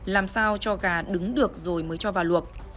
làm sao cho gà đứng được rồi mới cho vào luộc